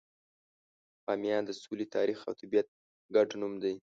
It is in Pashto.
بامیان د سولې، تاریخ، او طبیعت ګډ نوم دی.